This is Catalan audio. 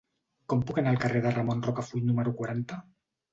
Com puc anar al carrer de Ramon Rocafull número quaranta?